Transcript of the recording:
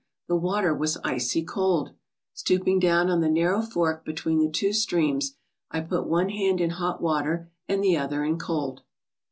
The water was icy cold. Stooping down on the narrow fork between the two streams, I put one hand in hot water and the other in cold.